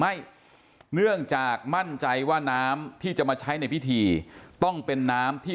ไม่เนื่องจากมั่นใจว่าน้ำที่จะมาใช้ในพิธีต้องเป็นน้ำที่